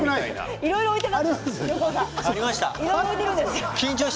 いろいろ置いてますよ。